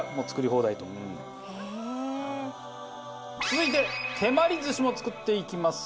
続いて手まり寿司も作っていきます。